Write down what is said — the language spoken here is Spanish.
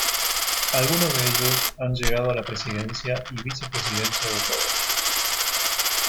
Algunos de ellos han llegado a la presidencia y vicepresidencia de Ecuador.